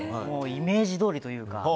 イメージどおりというか。